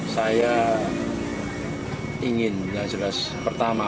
saya ingin yang jelas pertama